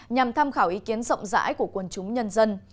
nhằm tham khảo ý kiến rộng rãi của quân chúng nhân dân